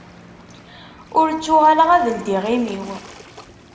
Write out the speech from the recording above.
Ur ttuɣaleɣ ad ldiɣ imi-w.